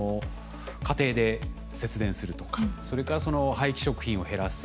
家庭で節電するとかそれから廃棄食品を減らす。